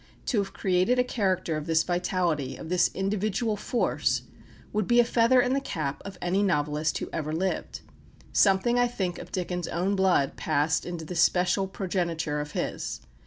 To have created a character of this vitality, of this individual force, would be a feather in the cap of any novelist who ever lived. Something I think of Dickens' own blood passed into this special progeniture of his.